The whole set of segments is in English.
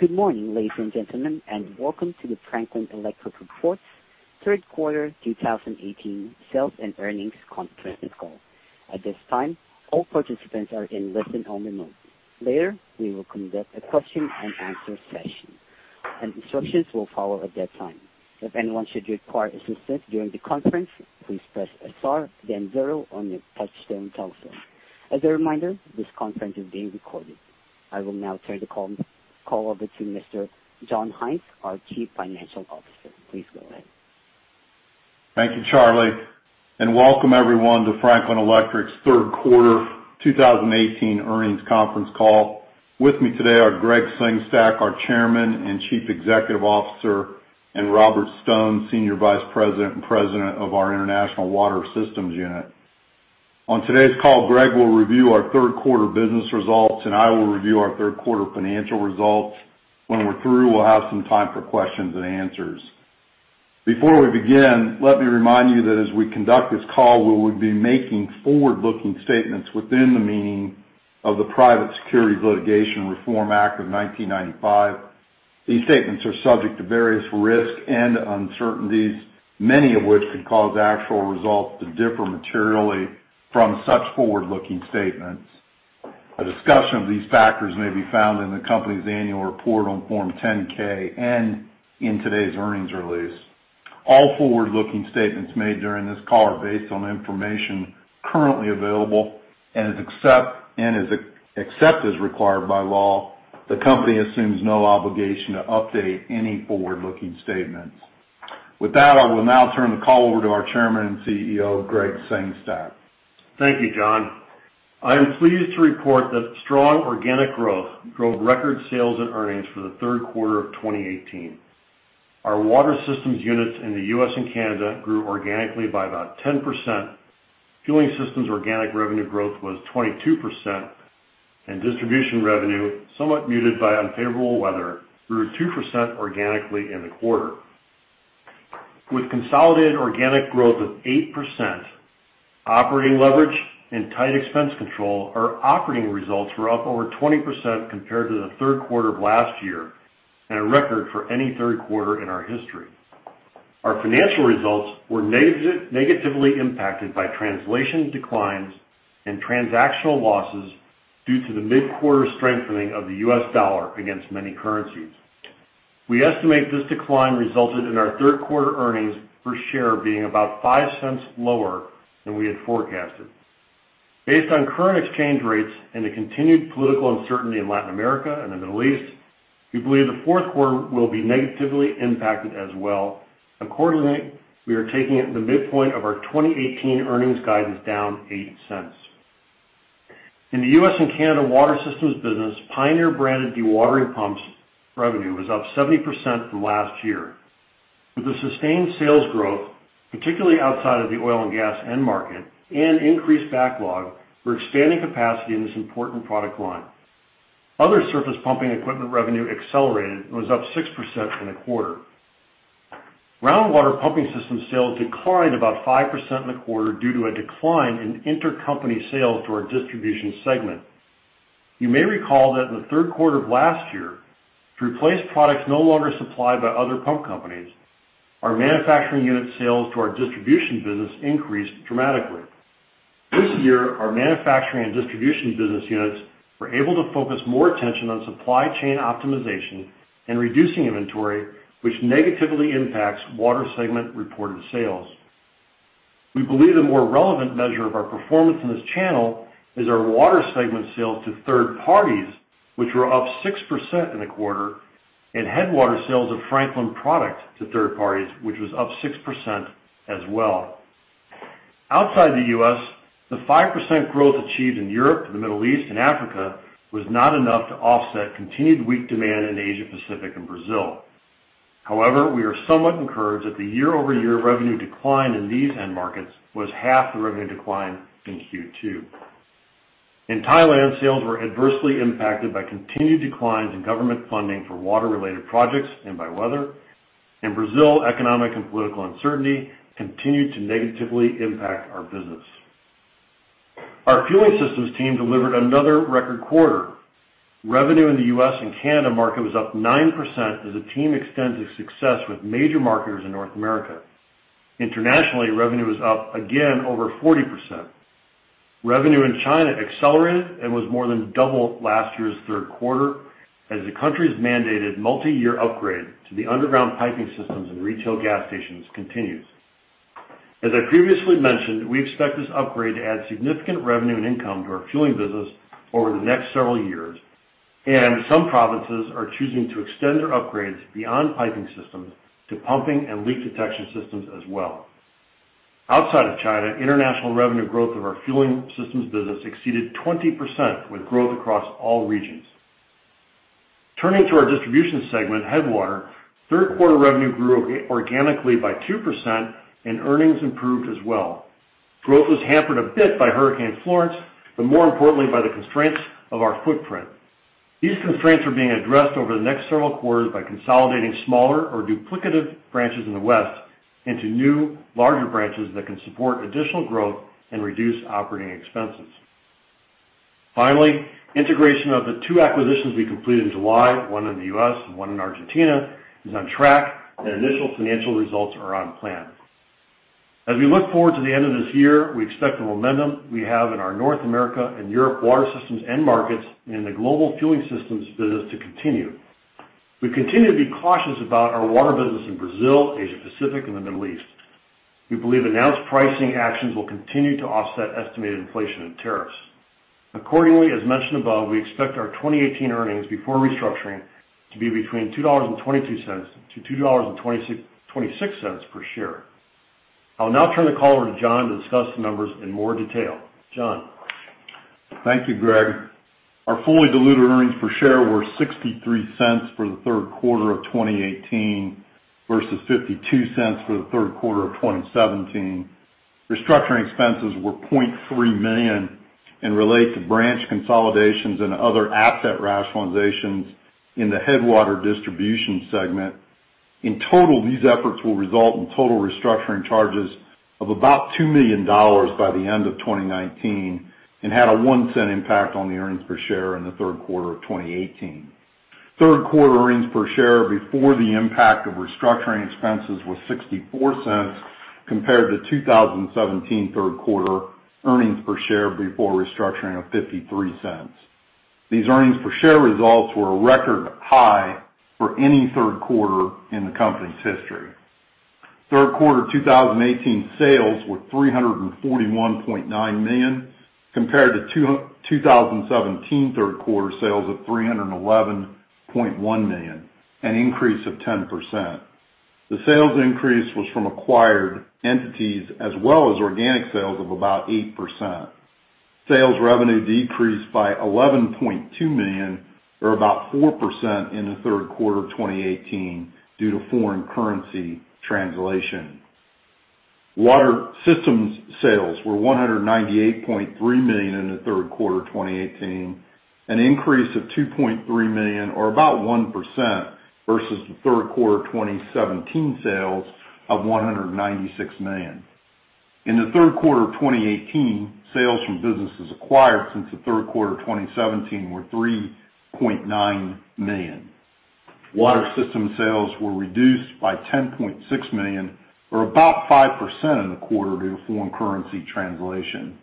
Good morning, ladies and gentlemen, and welcome to the Franklin Electric Reports Third Quarter 2018 Sales and Earnings Conference Call. At this time, all participants are in listen-only mode. Later, we will conduct a Q&A session, and instructions will follow at that time. If anyone should require assistance during the conference, please press star, then zero on your touch-tone telephone. As a reminder, this conference is being recorded. I will now turn the call over to Mr. John Haines, our Chief Financial Officer. Please go ahead. Thank you, Charlie, and welcome everyone to Franklin Electric's Third Quarter 2018 Earnings Conference Call. With me today are Greggg Sengstack, our Chairman and Chief Executive Officer, and Robert Stone, Senior Vice President and President of our International Water Systems Unit. On today's call, Greggg will review our third quarter business results, and I will review our third quarter financial results. When we're through, we'll have some time for questions and answers. Before we begin, let me remind you that as we conduct this call, we will be making forward-looking statements within the meaning of the Private Securities Litigation Reform Act of 1995. These statements are subject to various risks and uncertainties, many of which could cause actual results to differ materially from such forward-looking statements. A discussion of these factors may be found in the company's annual report on Form 10-K and in today's earnings release. All forward-looking statements made during this call are based on information currently available, and except as required by law, the company assumes no obligation to update any forward-looking statements. With that, I will now turn the call over to our Chairman and CEO, Greggg Sengstack. Thank you, John. I am pleased to report that strong organic growth drove record sales and earnings for the third quarter of 2018. Our water systems units in the U.S. and Canada grew organically by about 10%, Fueling Systems organic revenue growth was 22%, and distribution revenue, somewhat muted by unfavorable weather, grew 2% organically in the quarter. With consolidated organic growth of 8%, operating leverage, and tight expense control, our operating results were up over 20% compared to the third quarter of last year, and a record for any third quarter in our history. Our financial results were negatively impacted by translation declines and transactional losses due to the mid-quarter strengthening of the U.S. dollar against many currencies. We estimate this decline resulted in our third quarter earnings per share being about $0.05 lower than we had forecasted. Based on current exchange rates and the continued political uncertainty in Latin America and the Middle East, we believe the fourth quarter will be negatively impacted as well. Accordingly, we are taking the midpoint of our 2018 earnings guidance down $0.08. In the U.S. and Canada water systems business, Pioneer-branded dewatering pumps revenue was up 70% from last year. With the sustained sales growth, particularly outside of the oil and gas end market, and increased backlog, we're expanding capacity in this important product line. Other surface pumping equipment revenue accelerated and was up 6% in the quarter. Groundwater pumping system sales declined about 5% in the quarter due to a decline in intercompany sales to our distribution segment. You may recall that in the third quarter of last year, to replace products no longer supplied by other pump companies, our manufacturing unit sales to our distribution business increased dramatically. This year, our manufacturing and distribution business units were able to focus more attention on supply chain optimization and reducing inventory, which negatively impacts water segment reported sales. We believe the more relevant measure of our performance in this channel is our water segment sales to third parties, which were up 6% in the quarter, and Headwater sales of Franklin product to third parties, which was up 6% as well. Outside the U.S., the 5% growth achieved in Europe, the Middle East, and Africa was not enough to offset continued weak demand in Asia-Pacific and Brazil. However, we are somewhat encouraged that the year-over-year revenue decline in these end markets was half the revenue decline in Q2. In Thailand, sales were adversely impacted by continued declines in government funding for water-related projects and by weather. In Brazil, economic and political uncertainty continued to negatively impact our business. Our Fueling Systems team delivered another record quarter. Revenue in the U.S. and Canada market was up 9% as a team extends its success with major marketers in North America. Internationally, revenue was up again over 40%. Revenue in China accelerated and was more than doubled last year's third quarter as the country's mandated multi-year upgrade to the underground piping systems in retail gas stations continues. As I previously mentioned, we expect this upgrade to add significant revenue and income to our fueling business over the next several years, and some provinces are choosing to extend their upgrades beyond piping systems to pumping and leak detection systems as well. Outside of China, international revenue growth of our Fueling Systems business exceeded 20% with growth across all regions. Turning to our distribution segment, Headwater, third quarter revenue grew organically by 2%, and earnings improved as well. Growth was hampered a bit by Hurricane Florence, but more importantly by the constraints of our footprint. These constraints are being addressed over the next several quarters by consolidating smaller or duplicative branches in the west into new, larger branches that can support additional growth and reduce operating expenses. Finally, integration of the 2 acquisitions we completed in July, one in the U.S. and one in Argentina, is on track, and initial financial results are on plan. As we look forward to the end of this year, we expect the momentum we have in our North America and Europe water systems end markets and in the global Fueling Systems business to continue. We continue to be cautious about our water business in Brazil, Asia-Pacific, and the Middle East. We believe announced pricing actions will continue to offset estimated inflation and tariffs. Accordingly, as mentioned above, we expect our 2018 earnings before restructuring to be between $2.22-$2.26 per share. I will now turn the call over to John to discuss the numbers in more detail. John. Thank you, Gregg. Our fully diluted earnings per share were $0.63 for the third quarter of 2018 versus $0.52 for the third quarter of 2017. Restructuring expenses were $0.3 million and relate to branch consolidations and other asset rationalizations in the Headwater distribution segment. In total, these efforts will result in total restructuring charges of about $2 million by the end of 2019 and had a $0.01 impact on the earnings per share in the third quarter of 2018. Third quarter earnings per share before the impact of restructuring expenses was $0.64 compared to 2017 third quarter earnings per share before restructuring of $0.53. These earnings per share results were a record high for any third quarter in the company's history. Third quarter 2018 sales were $341.9 million compared to 2017 third quarter sales of $311.1 million, an increase of 10%. The sales increase was from acquired entities as well as organic sales of about 8%. Sales revenue decreased by $11.2 million, or about 4%, in the third quarter of 2018 due to foreign currency translation. Water Systems sales were $198.3 million in the third quarter of 2018, an increase of $2.3 million, or about 1%, versus the third quarter 2017 sales of $196 million. In the third quarter of 2018, sales from businesses acquired since the third quarter of 2017 were $3.9 million. Water Systems sales were reduced by $10.6 million, or about 5%, in the quarter due to foreign currency translation.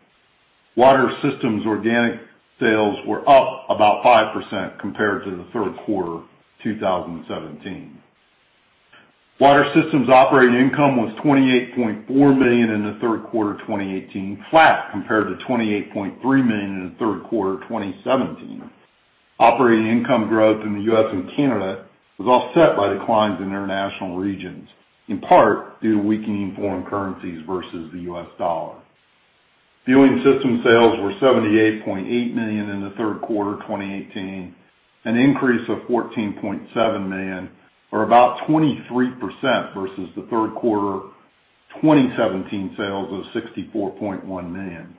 Water Systems organic sales were up about 5% compared to the third quarter 2017. Water Systems operating income was $28.4 million in the third quarter of 2018, flat compared to $28.3 million in the third quarter of 2017. Operating income growth in the U.S. and Canada was offset by declines in international regions, in part due to weakening foreign currencies versus the U.S. dollar. Fueling Systems sales were $78.8 million in the third quarter of 2018, an increase of $14.7 million, or about 23% versus the third quarter 2017 sales of $64.1 million.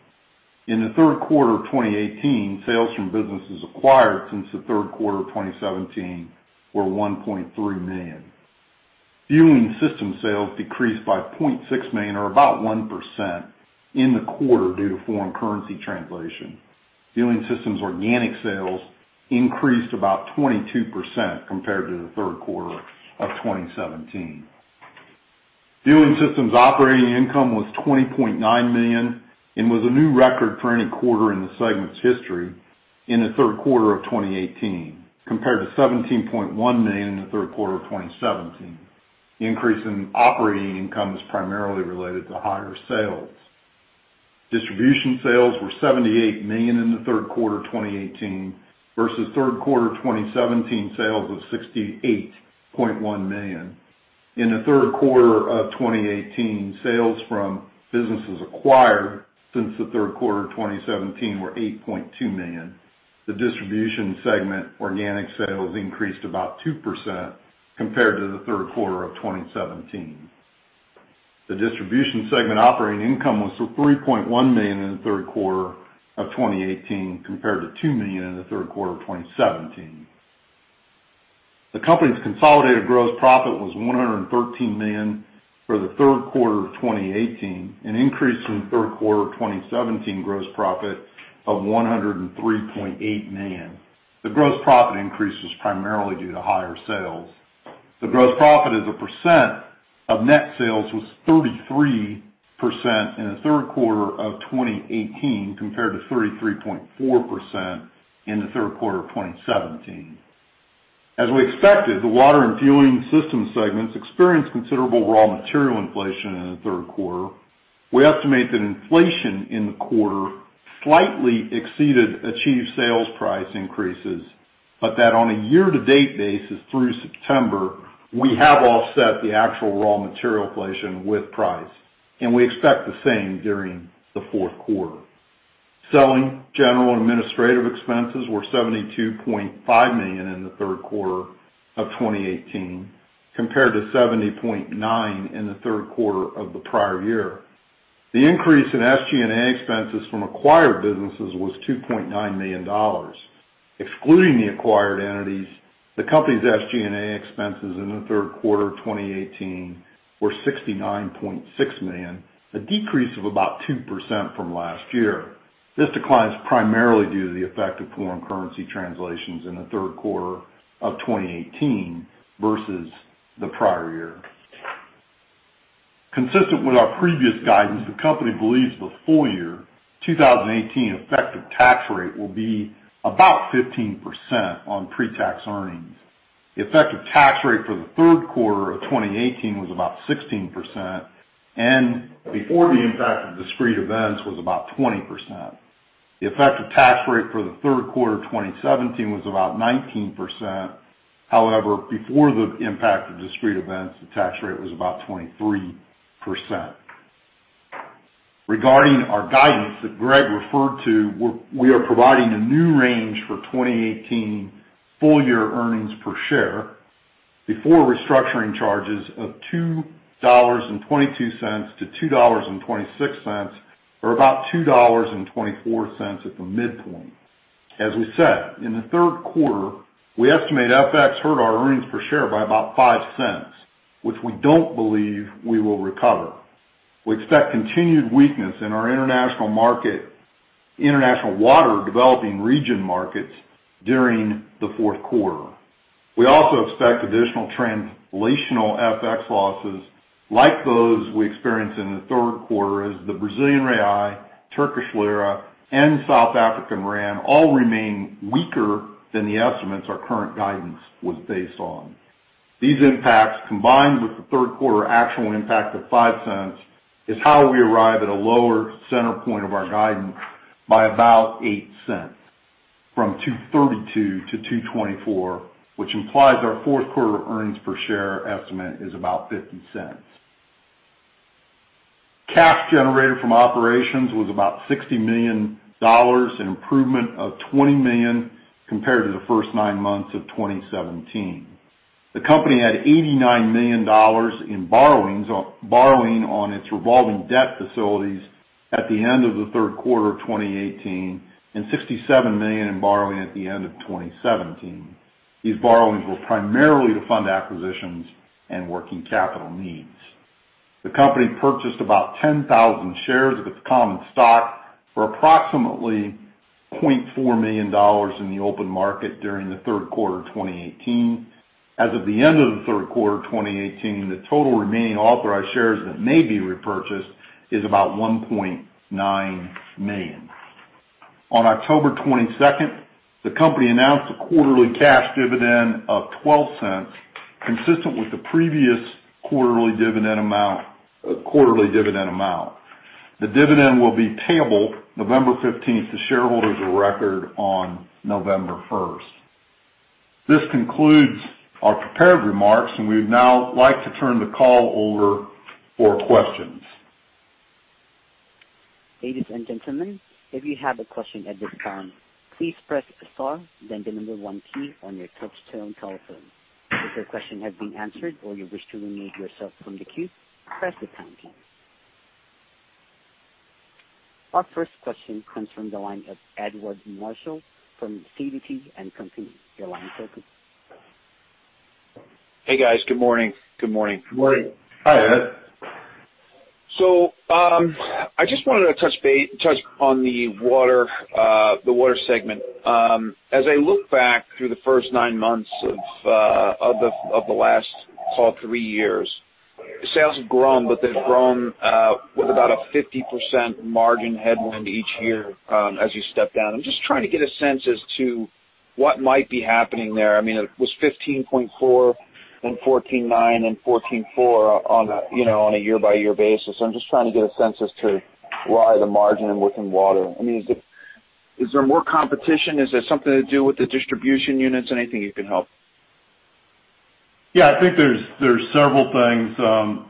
In the third quarter of 2018, sales from businesses acquired since the third quarter of 2017 were $1.3 million. Fueling Systems sales decreased by $0.6 million, or about 1%, in the quarter due to foreign currency translation. Fueling Systems organic sales increased about 22% compared to the third quarter of 2017. Fueling Systems operating income was $20.9 million and was a new record for any quarter in the segment's history in the third quarter of 2018 compared to $17.1 million in the third quarter of 2017. The increase in operating income is primarily related to higher sales. Distribution sales were $78 million in the third quarter of 2018 versus third quarter 2017 sales of $68.1 million. In the third quarter of 2018, sales from businesses acquired since the third quarter of 2017 were $8.2 million. The distribution segment organic sales increased about 2% compared to the third quarter of 2017. The distribution segment operating income was $3.1 million in the third quarter of 2018 compared to $2 million in the third quarter of 2017. The company's consolidated gross profit was $113 million for the third quarter of 2018, an increase in third quarter 2017 gross profit of $103.8 million. The gross profit as a % of net sales was 33% in the third quarter of 2018 compared to 33.4% in the third quarter of 2017. As we expected, the water and Fueling Systems segments experienced considerable raw material inflation in the third quarter. We estimate that inflation in the quarter slightly exceeded achieved sales price increases, but that on a year-to-date basis through September, we have offset the actual raw material inflation with price, and we expect the same during the fourth quarter. Selling, general, and administrative expenses were $72.5 million in the third quarter of 2018 compared to $70.9 million in the third quarter of the prior year. The increase in SG&A expenses from acquired businesses was $2.9 million. Excluding the acquired entities, the company's SG&A expenses in the third quarter of 2018 were $69.6 million, a decrease of about 2% from last year. This decline is primarily due to the effect of foreign currency translations in the third quarter of 2018 versus the prior year. Consistent with our previous guidance, the company believes the full-year 2018 effective tax rate will be about 15% on pre-tax earnings. The effective tax rate for the third quarter of 2018 was about 16%, and before the impact of discrete events was about 20%. The effective tax rate for the third quarter 2017 was about 19%. However, before the impact of discrete events, the tax rate was about 23%. Regarding our guidance that Greggg referred to, we are providing a new range for 2018 full-year earnings per share. Before restructuring charges of $2.22-$2.26, or about $2.24 at the midpoint. As we said, in the third quarter, we estimate FX hurt our earnings per share by about $0.05, which we don't believe we will recover. We expect continued weakness in our international market, international water developing region markets during the fourth quarter. We also expect additional translational FX losses like those we experienced in the third quarter as the Brazilian real, Turkish lira, and South African rand all remain weaker than the estimates our current guidance was based on. These impacts, combined with the third quarter actual impact of $0.05, is how we arrive at a lower center point of our guidance by about $0.08 from $2.32 to $2.24, which implies our fourth quarter earnings per share estimate is about $0.50. Cash generated from operations was about $60 million, an improvement of $20 million compared to the first nine months of 2017. The company had $89 million in borrowing on its revolving debt facilities at the end of the third quarter of 2018 and $67 million in borrowing at the end of 2017. These borrowings were primarily to fund acquisitions and working capital needs. The company purchased about 10,000 shares of its common stock for approximately $0.4 million in the open market during the third quarter of 2018. As of the end of the third quarter of 2018, the total remaining authorized shares that may be repurchased is about $1.9 million. On October 22nd, the company announced a quarterly cash dividend of $0.12 consistent with the previous quarterly dividend amount. The dividend will be payable November 15th to shareholders of record on November 1st. This concludes our prepared remarks, and we would now like to turn the call over for questions. Ladies and gentlemen, if you have a question at this time, please press star, then the number one key on your touch-tone telephone. If your question has been answered or you wish to remove yourself from the queue, press the pound key. Our first question comes from the line of Edward Marshall from Stifel. Your line is open. Hey guys. Good morning. Good morning. Good morning. Hi, Ed. So I just wanted to touch on the water segment. As I look back through the first nine months of the last three years, sales have grown, but they've grown with about a 50% margin headwind each year as you step down. I'm just trying to get a sense as to what might be happening there. I mean, it was 15.4 and 14.9 and 14.4 on a year-by-year basis. I'm just trying to get a sense as to why the margin in water. I mean, is there more competition? Is there something to do with the distribution units? Anything you can help? Yeah. I think there's several things.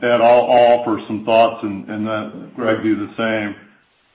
Ed, I'll offer some thoughts, and Greggg will do the same.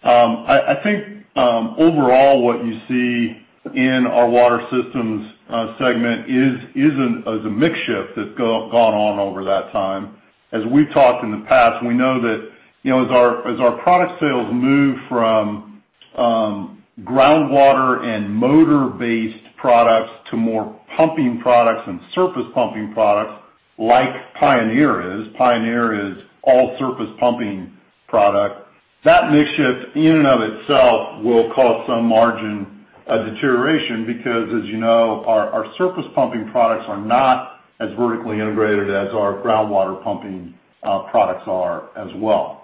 I think overall what you see in our water systems segment is a mix-shift that's gone on over that time. As we've talked in the past, we know that as our product sales move from groundwater and motor-based products to more pumping products and surface pumping products like Pioneer is, Pioneer is all-surface pumping product, that mix-shift in and of itself will cause some margin deterioration because, as you know, our surface pumping products are not as vertically integrated as our groundwater pumping products are as well.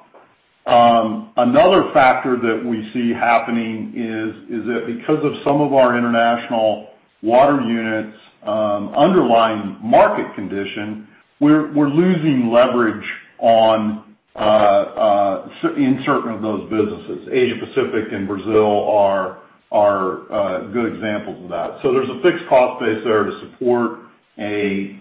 Another factor that we see happening is that because of some of our international water units' underlying market condition, we're losing leverage in certain of those businesses. Asia-Pacific and Brazil are good examples of that. So there's a fixed cost base there to support a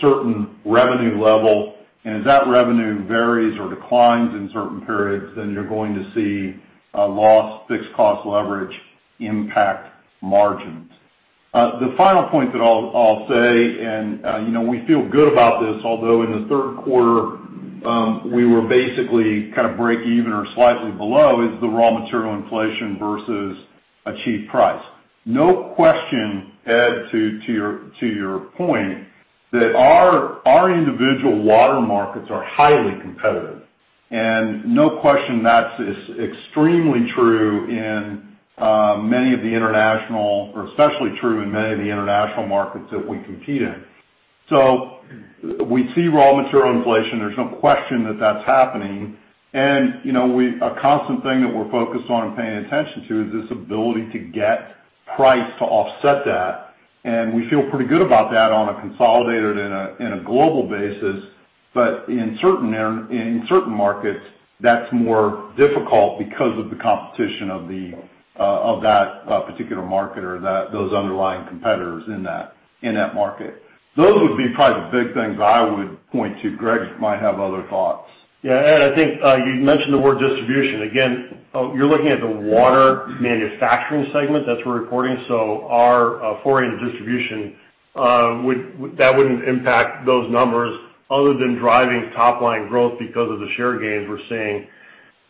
certain revenue level, and as that revenue varies or declines in certain periods, then you're going to see a lost fixed cost leverage impact margins. The final point that I'll say, and we feel good about this, although in the third quarter we were basically kind of break-even or slightly below, is the raw material inflation versus achieved price. No question, Ed, to your point, that our individual water markets are highly competitive, and no question that's extremely true in many of the international or especially true in many of the international markets that we compete in. So we see raw material inflation. There's no question that that's happening. And a constant thing that we're focused on and paying attention to is this ability to get price to offset that, and we feel pretty good about that on a consolidated and a global basis. But in certain markets, that's more difficult because of the competition of that particular market or those underlying competitors in that market. Those would be probably the big things I would point to. Greggg might have other thoughts. Yeah. Ed, I think you mentioned the word distribution. Again, you're looking at the water manufacturing segment. That's where we're reporting. So our foreign distribution, that wouldn't impact those numbers other than driving top-line growth because of the share gains we're seeing.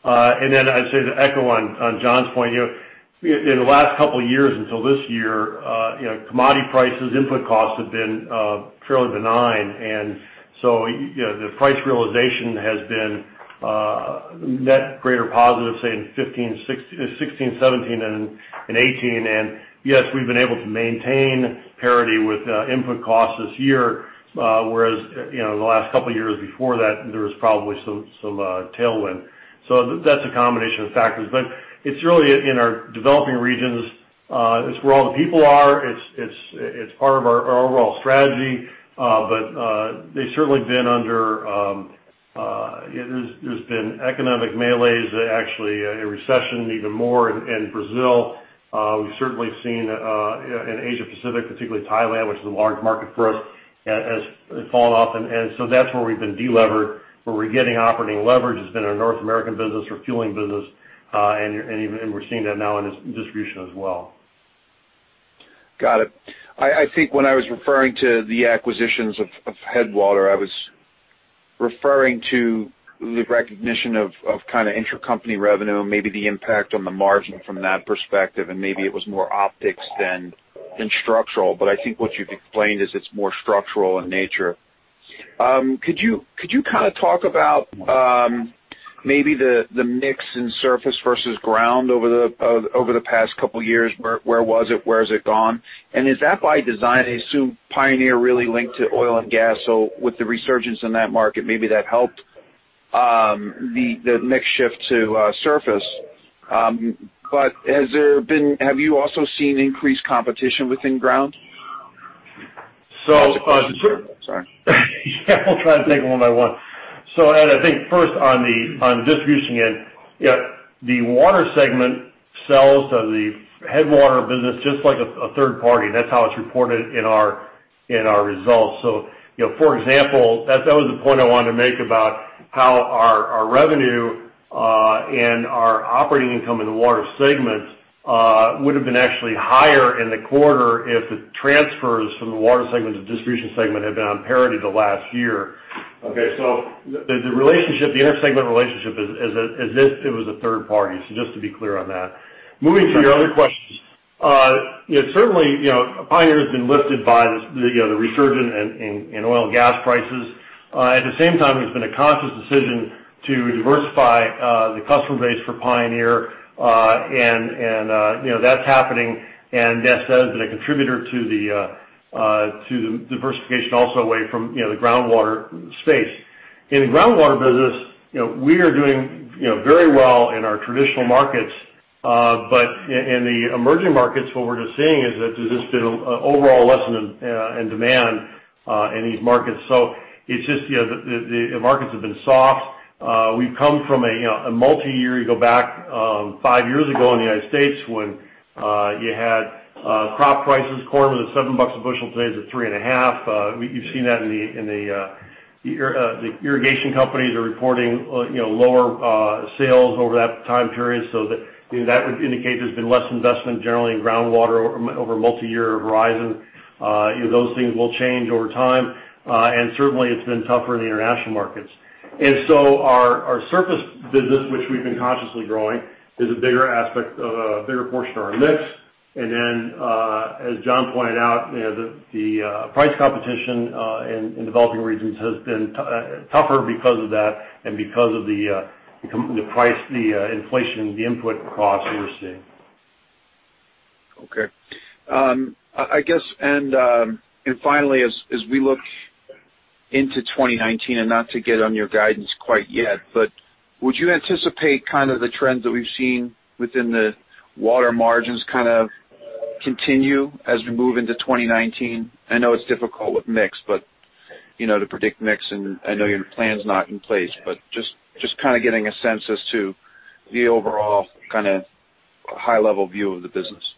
And then I'd say to echo on John's point, in the last couple of years until this year, commodity prices, input costs have been fairly benign, and so the price realization has been net greater positive, say, in 2016, 2017, and 2018. And yes, we've been able to maintain parity with input costs this year, whereas the last couple of years before that, there was probably some tailwind. So that's a combination of factors. But it's really in our developing regions. It's where all the people are. It's part of our overall strategy, but there has certainly been economic malaise, actually a recession even more in Brazil. We've certainly seen in Asia-Pacific, particularly Thailand, which is a large market for us, has fallen off. And so that's where we've been delevered, where we're getting operating leverage. It's been our North American business, our fueling business, and we're seeing that now in distribution as well. Got it. I think when I was referring to the acquisitions of Headwater, I was referring to the recognition of kind of intra-company revenue, maybe the impact on the margin from that perspective, and maybe it was more optics than structural. But I think what you've explained is it's more structural in nature. Could you kind of talk about maybe the mix in surface versus ground over the past couple of years? Where was it? Where has it gone? And is that by design? I assume Pioneer really linked to oil and gas, so with the resurgence in that market, maybe that helped the mix-shift to surface. But have you also seen increased competition within ground? So. I'll just. Sorry. Yeah. We'll try to take them one by one. So Ed, I think first on the distribution end, the water segment sells to the Headwater business just like a third party. That's how it's reported in our results. So for example, that was the point I wanted to make about how our revenue and our operating income in the water segments would have been actually higher in the quarter if the transfers from the water segment to distribution segment had been on parity the last year. Okay. So the intersegment relationship is as if it was a third party. So just to be clear on that. Moving to your other questions, certainly, Pioneer has been lifted by the resurgence in oil and gas prices. At the same time, it's been a conscious decision to diversify the customer base for Pioneer, and that's happening. Yes, that has been a contributor to the diversification also away from the groundwater space. In the groundwater business, we are doing very well in our traditional markets, but in the emerging markets, what we're just seeing is that there's just been an overall lessening in demand in these markets. It's just the markets have been soft. We've come from a multi-year—you go back five years ago in the United States when you had crop prices. Corn was at $7 a bushel. Today it's at $3.5. You've seen that in the irrigation companies are reporting lower sales over that time period, so that would indicate there's been less investment generally in groundwater over a multi-year horizon. Those things will change over time, and certainly, it's been tougher in the international markets. And so our surface business, which we've been consciously growing, is a bigger aspect of a bigger portion of our mix. And then as John pointed out, the price competition in developing regions has been tougher because of that and because of the inflation, the input costs we're seeing. Okay. And finally, as we look into 2019, and not to get on your guidance quite yet, but would you anticipate kind of the trends that we've seen within the water margins kind of continue as we move into 2019? I know it's difficult with mix, but to predict mix, and I know your plan's not in place, but just kind of getting a sense as to the overall kind of high-level view of the business.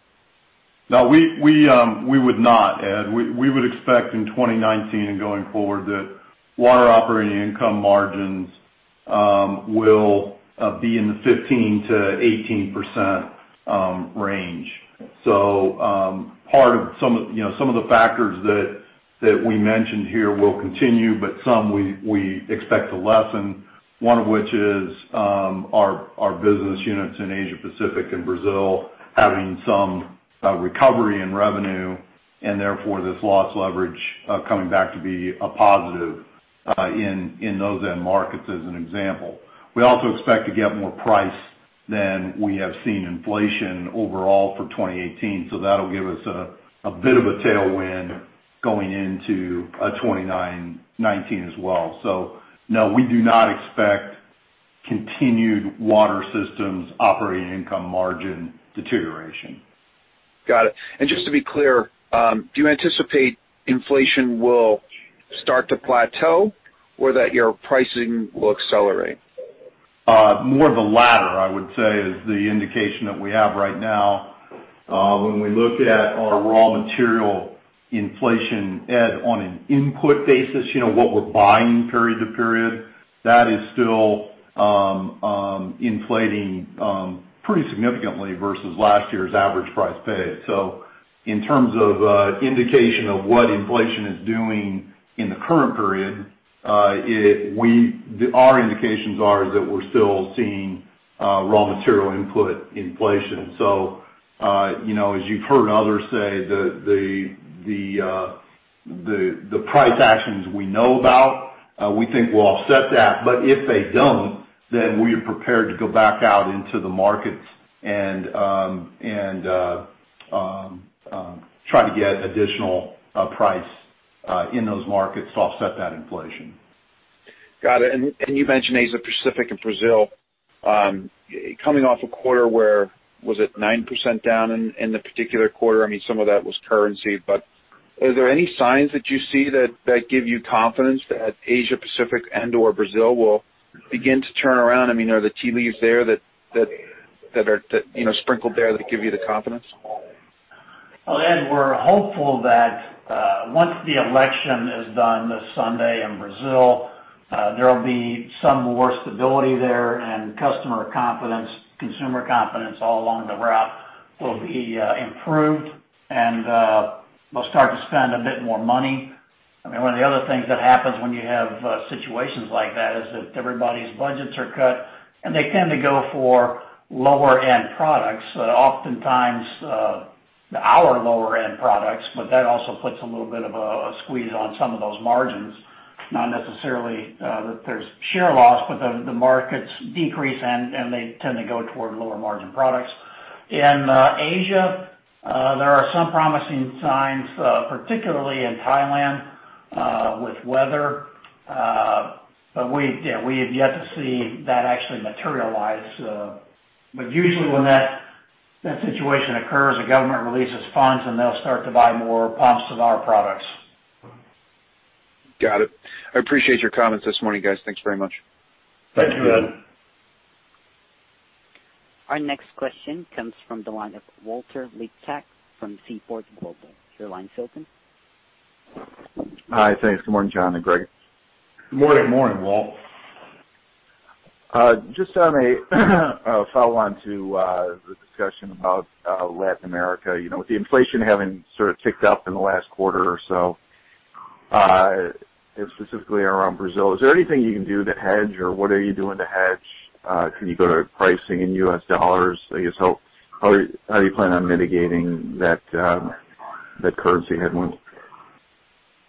No. We would not, Ed. We would expect in 2019 and going forward that water operating income margins will be in the 15%-18% range. So part of some of the factors that we mentioned here will continue, but some we expect to lessen, one of which is our business units in Asia-Pacific and Brazil having some recovery in revenue and therefore this loss leverage coming back to be a positive in those end markets as an example. We also expect to get more price than we have seen inflation overall for 2018, so that'll give us a bit of a tailwind going into 2019 as well. So no, we do not expect continued water systems operating income margin deterioration. Got it. Just to be clear, do you anticipate inflation will start to plateau or that your pricing will accelerate? More of the latter, I would say, is the indication that we have right now. When we look at our raw material inflation, Ed, on an input basis, what we're buying period to period, that is still inflating pretty significantly versus last year's average price paid. So in terms of indication of what inflation is doing in the current period, our indications are that we're still seeing raw material input inflation. So as you've heard others say, the price actions we know about, we think we'll offset that. But if they don't, then we are prepared to go back out into the markets and try to get additional price in those markets to offset that inflation. Got it. And you mentioned Asia-Pacific and Brazil. Coming off a quarter where was it 9% down in the particular quarter? I mean, some of that was currency, but are there any signs that you see that give you confidence that Asia-Pacific and/or Brazil will begin to turn around? I mean, are the tea leaves there that are sprinkled there that give you the confidence? Well, Ed, we're hopeful that once the election is done this Sunday in Brazil, there'll be some more stability there, and customer confidence, consumer confidence all along the route will be improved and we'll start to spend a bit more money. I mean, one of the other things that happens when you have situations like that is that everybody's budgets are cut, and they tend to go for lower-end products, oftentimes our lower-end products, but that also puts a little bit of a squeeze on some of those margins. Not necessarily that there's share loss, but the markets decrease, and they tend to go toward lower-margin products. In Asia, there are some promising signs, particularly in Thailand with weather, but we have yet to see that actually materialize. But usually, when that situation occurs, the government releases funds, and they'll start to buy more pumps of our products. Got it. I appreciate your comments this morning, guys. Thanks very much. Thank you, Ed. Our next question comes from the line of Walter Liptak from Seaport Global. Your line, Liptak. Hi. Thanks. Good morning, John and Greggg. Good morning. Morning, Walt. Just on a follow-on to the discussion about Latin America, with the inflation having sort of ticked up in the last quarter or so, and specifically around Brazil, is there anything you can do to hedge, or what are you doing to hedge? Can you go to pricing in U.S. dollars? I guess how do you plan on mitigating that currency headwind?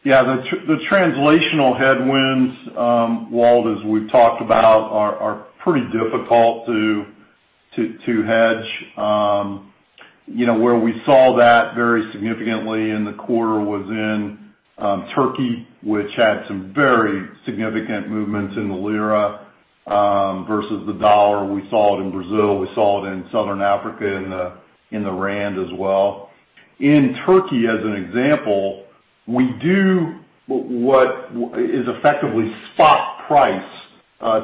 Yeah. The translational headwinds, Walt, as we've talked about, are pretty difficult to hedge. Where we saw that very significantly in the quarter was in Turkey, which had some very significant movements in the lira versus the dollar. We saw it in Brazil. We saw it in Southern Africa in the rand as well. In Turkey, as an example, we do what is effectively spot price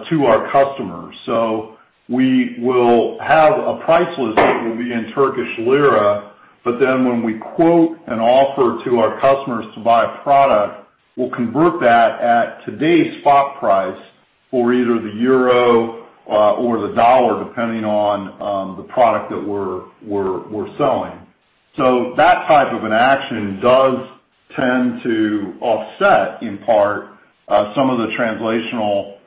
to our customers. So we will have a price list that will be in Turkish lira, but then when we quote an offer to our customers to buy a product, we'll convert that at today's spot price for either the euro or the dollar, depending on the product that we're selling. So that type of an action does tend to offset, in part, some of the translational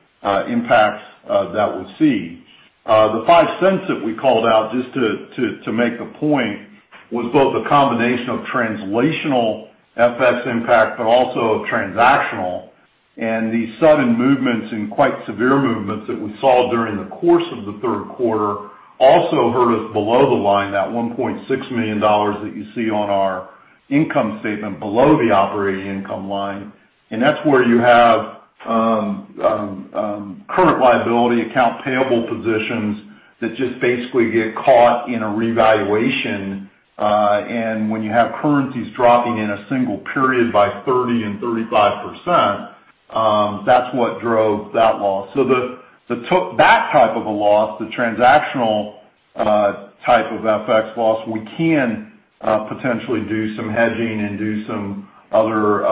impacts that we see. The $0.05 that we called out, just to make the point, was both a combination of translational FX impact but also of transactional. And the sudden movements and quite severe movements that we saw during the course of the third quarter also hurt us below the line, that $1.6 million that you see on our income statement, below the operating income line. And that's where you have current liability, account payable positions that just basically get caught in a revaluation. And when you have currencies dropping in a single period by 30% and 35%, that's what drove that loss. So that type of a loss, the transactional type of FX loss, we can potentially do some hedging and do some other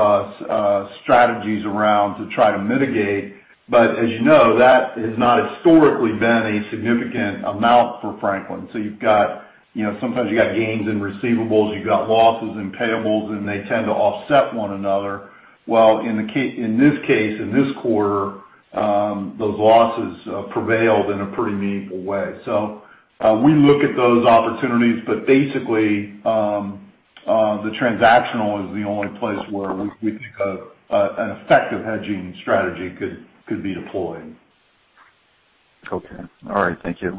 strategies around to try to mitigate. But as you know, that has not historically been a significant amount for Franklin. So sometimes you've got gains in receivables. You've got losses in payables, and they tend to offset one another. Well, in this case, in this quarter, those losses prevailed in a pretty meaningful way. So we look at those opportunities, but basically, the transactional is the only place where we think an effective hedging strategy could be deployed. Okay. All right. Thank you.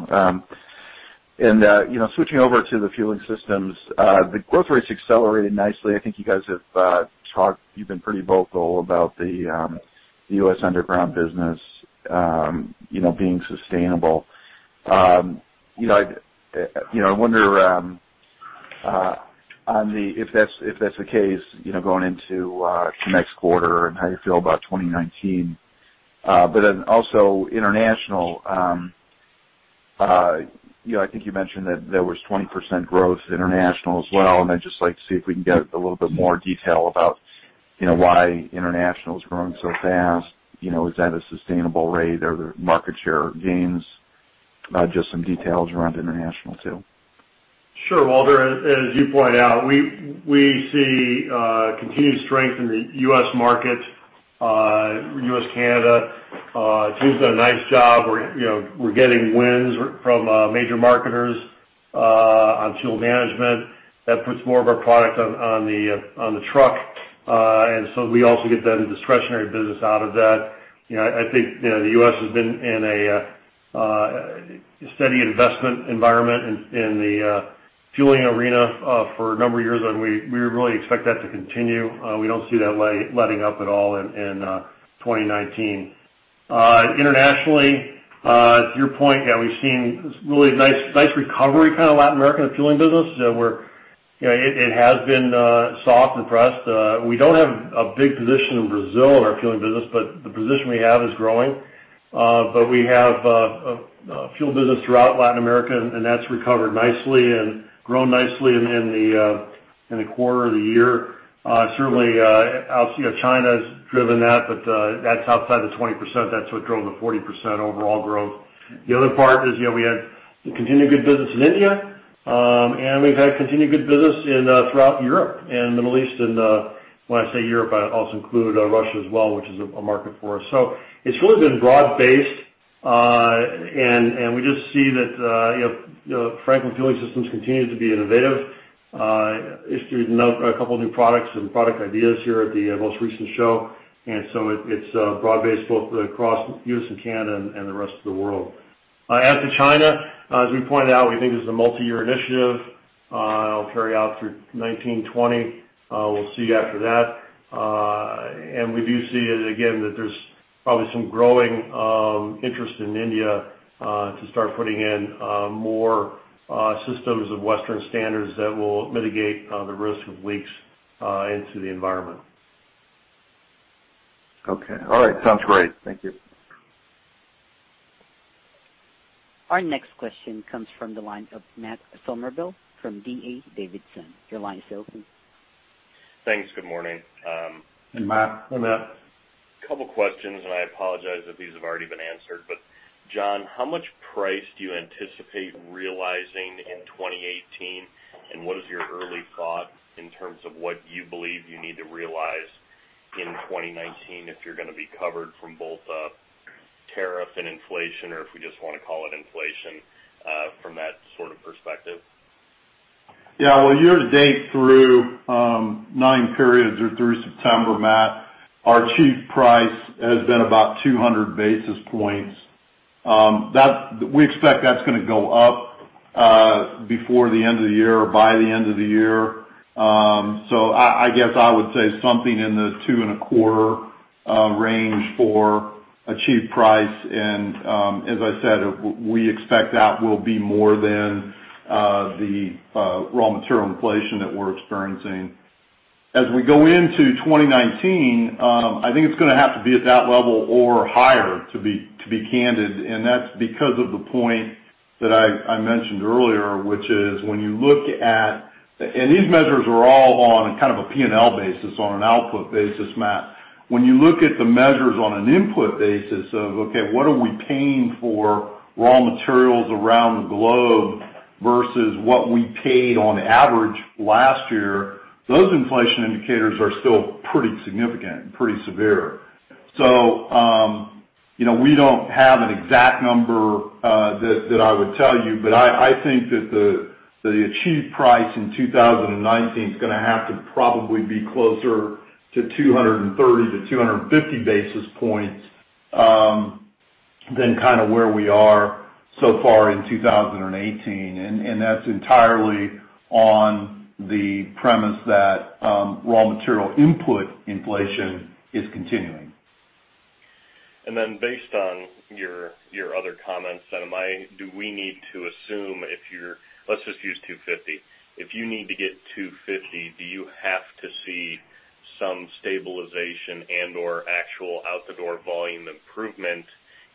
And switching over to the Fueling Systems, the growth rates accelerated nicely. I think you guys have talked you've been pretty vocal about the U.S. underground business being sustainable. I wonder if that's the case going into next quarter and how you feel about 2019. But then also international, I think you mentioned that there was 20% growth international as well. And I'd just like to see if we can get a little bit more detail about why international is growing so fast. Is that a sustainable rate? Are there market share gains? Just some details around international too. Sure, Walter. As you point out, we see continued strength in the U.S. market, U.S./Canada. Team's done a nice job. We're getting wins from major marketers on fuel management. That puts more of our product on the truck, and so we also get then discretionary business out of that. I think the U.S. has been in a steady investment environment in the fueling arena for a number of years, and we really expect that to continue. We don't see that letting up at all in 2019. Internationally, to your point, yeah, we've seen really nice recovery kind of Latin American fueling business where it has been soft and pressed. We don't have a big position in Brazil in our fueling business, but the position we have is growing. But we have fuel business throughout Latin America, and that's recovered nicely and grown nicely in the quarter of the year. Certainly, China's driven that, but that's outside the 20%. That's what drove the 40% overall growth. The other part is we had continued good business in India, and we've had continued good business throughout Europe and the Middle East. And when I say Europe, I also include Russia as well, which is a market for us. So it's really been broad-based, and we just see that Franklin Fueling Systems continues to be innovative. They've announced a couple of new products and product ideas here at the most recent show, and so it's broad-based both across the U.S. and Canada and the rest of the world. As for China, as we pointed out, we think this is a multi-year initiative. It'll carry out through 2019, 2020. We'll see after that. We do see, again, that there's probably some growing interest in India to start putting in more systems of Western standards that will mitigate the risk of leaks into the environment. Okay. All right. Sounds great. Thank you. Our next question comes from the line of Matt Summerville from DA Davidson. Your line is open. Thanks. Good morning. Hey, Matt. Hey, Matt. A couple of questions, and I apologize that these have already been answered. But John, how much price do you anticipate realizing in 2018, and what is your early thought in terms of what you believe you need to realize in 2019 if you're going to be covered from both tariff and inflation, or if we just want to call it inflation, from that sort of perspective? Yeah. Well, year to date through nine periods or through September, Matt, our pricing has been about 200 basis points. We expect that's going to go up before the end of the year or by the end of the year. So I guess I would say something in the 2.25 range for pricing. And as I said, we expect that will be more than the raw material inflation that we're experiencing. As we go into 2019, I think it's going to have to be at that level or higher, to be candid. And that's because of the point that I mentioned earlier, which is when you look at and these measures are all on kind of a P&L basis, on an output basis, Matt. When you look at the measures on an input basis of, "Okay, what are we paying for raw materials around the globe versus what we paid on average last year," those inflation indicators are still pretty significant, pretty severe. So we don't have an exact number that I would tell you, but I think that the chief price in 2019 is going to have to probably be closer to 230-250 basis points than kind of where we are so far in 2018. And that's entirely on the premise that raw material input inflation is continuing. And then, based on your other comments, do we need to assume if you're let's just use 250. If you need to get 250, do you have to see some stabilization and/or actual out-the-door volume improvement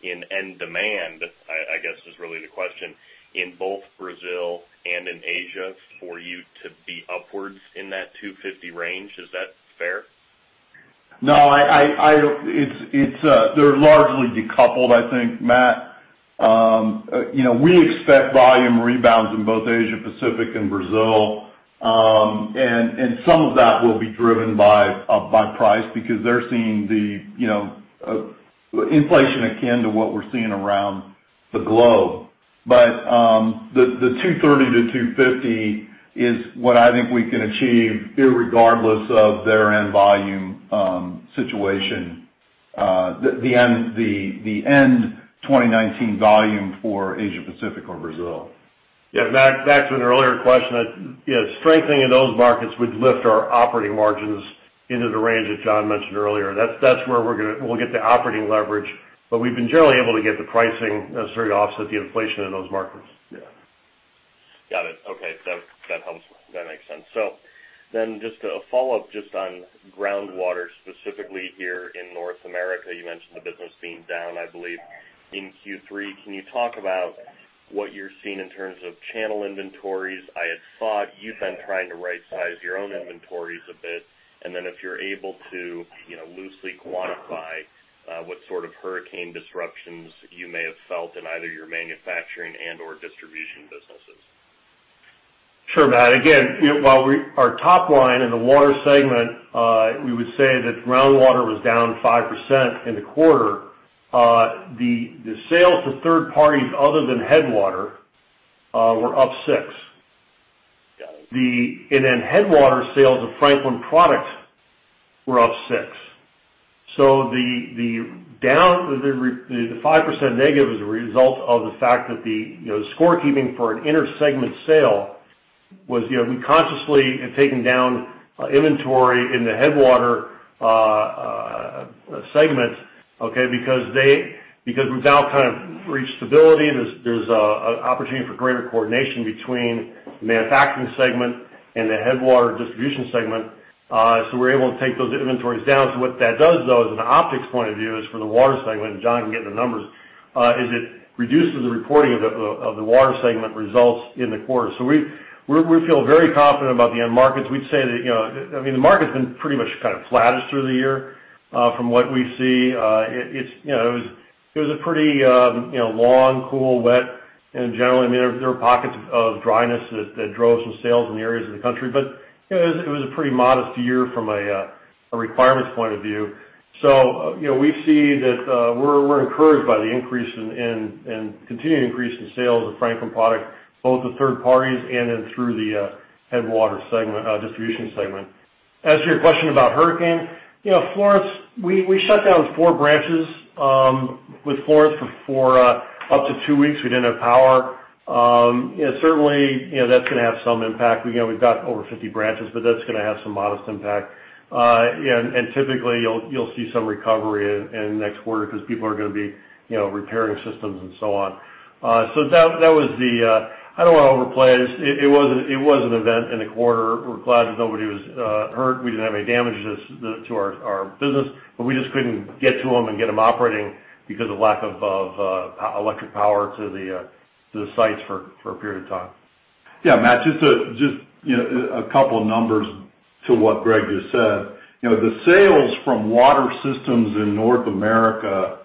in end demand? I guess is really the question, in both Brazil and in Asia for you to be upwards in that 250 range? Is that fair? No. They're largely decoupled, I think, Matt. We expect volume rebounds in both Asia-Pacific and Brazil, and some of that will be driven by price because they're seeing the inflation akin to what we're seeing around the globe. But the 230-250 is what I think we can achieve regardless of their end volume situation, the end 2019 volume for Asia-Pacific or Brazil. Yeah. Back to an earlier question. Strengthening in those markets would lift our operating margins into the range that John mentioned earlier. That's where we'll get the operating leverage, but we've been generally able to get the pricing necessarily to offset the inflation in those markets. Yeah. Got it. Okay. That makes sense. So then just a follow-up just on groundwater specifically here in North America. You mentioned the business being down, I believe, in Q3. Can you talk about what you're seeing in terms of channel inventories? I had thought you'd been trying to right-size your own inventories a bit, and then if you're able to loosely quantify what sort of hurricane disruptions you may have felt in either your manufacturing and/or distribution businesses. Sure, Matt. Again, while our top line in the water segment, we would say that groundwater was down 5% in the quarter. The sales to third parties other than Headwater were up 6%. And then Headwater sales of Franklin products were up 6%. So the 5% negative is a result of the fact that the scorekeeping for an inner segment sale was we consciously have taken down inventory in the Headwater segments because we've now kind of reached stability. There's an opportunity for greater coordination between the manufacturing segment and the Headwater distribution segment. So we're able to take those inventories down. So what that does, though, is an optics point of view, is for the water segment - and John can get the numbers - is it reduces the reporting of the water segment results in the quarter. So we feel very confident about the end markets. We'd say that I mean, the market's been pretty much kind of flattest through the year from what we see. It was a pretty long, cool, wet, and generally, I mean, there were pockets of dryness that drove some sales in the areas of the country, but it was a pretty modest year from a requirements point of view. So we see that we're encouraged by the increase and continued increase in sales of Franklin product, both with third parties and then through the Headwater distribution segment. As to your question about Hurricane Florence, we shut down 4 branches with Florence for up to 2 weeks. We didn't have power. Certainly, that's going to have some impact. We've got over 50 branches, but that's going to have some modest impact. Typically, you'll see some recovery in the next quarter because people are going to be repairing systems and so on. So that was it. I don't want to overplay. It was an event in the quarter. We're glad that nobody was hurt. We didn't have any damage to our business, but we just couldn't get to them and get them operating because of lack of electric power to the sites for a period of time. Yeah, Matt. Just a couple of numbers to what Gregg just said. The sales from water systems in North America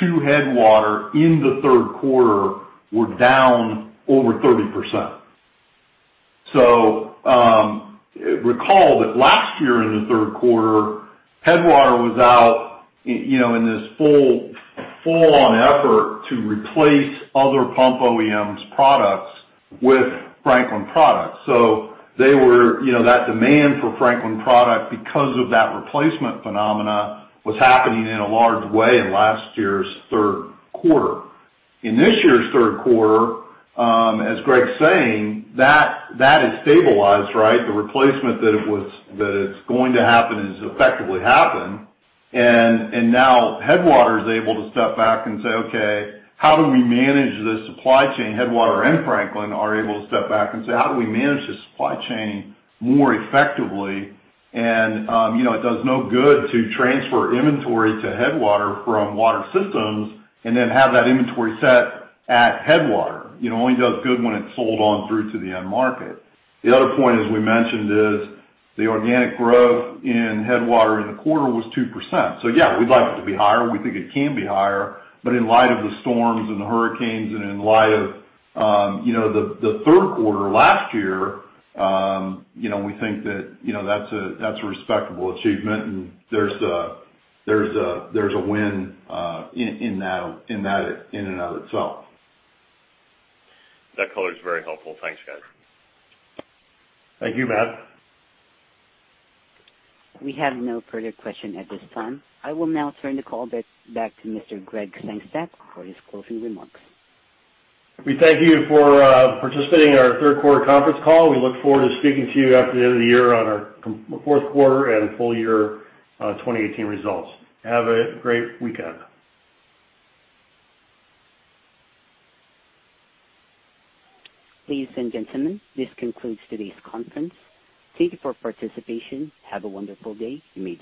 to Headwater in the third quarter were down over 30%. So recall that last year in the third quarter, Headwater was out in this full-on effort to replace other pump OEMs' products with Franklin products. So that demand for Franklin product because of that replacement phenomena was happening in a large way in last year's third quarter. In this year's third quarter, as Gregg's saying, that has stabilized, right? The replacement that it's going to happen has effectively happened. Now Headwater is able to step back and say, "Okay, how do we manage this supply chain?" Headwater and Franklin are able to step back and say, "How do we manage this supply chain more effectively?" It does no good to transfer inventory to Headwater from Water Systems and then have that inventory set at Headwater. It only does good when it's sold on through to the end market. The other point, as we mentioned, is the organic growth in Headwater in the quarter was 2%. So yeah, we'd like it to be higher. We think it can be higher. But in light of the storms and the hurricanes and in light of the third quarter last year, we think that that's a respectable achievement, and there's a win in that in and of itself. That color is very helpful. Thanks, guys. Thank you, Matt. We have no further questions at this time. I will now turn the call back to Mr. Gregg Sengstack for his closing remarks. We thank you for participating in our third-quarter conference call. We look forward to speaking to you after the end of the year on our fourth quarter and full-year 2018 results. Have a great weekend. Ladies and gentlemen, this concludes today's conference. Thank you for participation. Have a wonderful day. You may.